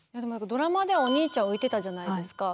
ドラマではお兄ちゃん浮いてたじゃないですか。